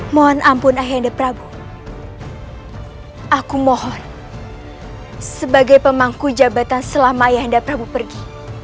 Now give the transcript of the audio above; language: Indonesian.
mohon ampun ahenda prabu aku mohon sebagai pemangku jabatan selama yanda prabu pergi